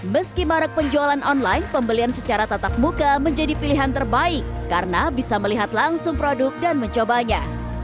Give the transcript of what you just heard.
meski marak penjualan online pembelian secara tatap muka menjadi pilihan terbaik karena bisa melihat langsung produk dan mencobanya